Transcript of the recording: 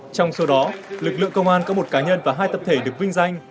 trong số đó lực lượng công an có một cá nhân và hai tập thể được vinh danh